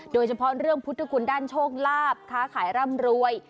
โดยเฉพาะเรื่องพุทธคุณด้านโชคลาภค้าขายร่ำรวย